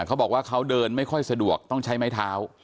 เขาบอกว่าเขาเดินไม่ค่อยสะดวกต้องใช้ไม้เท้า